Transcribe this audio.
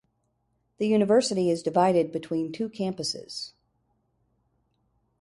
The university is divided between two campuses.